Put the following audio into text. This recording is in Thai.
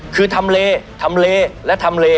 คือทำเลทำเลและทำเล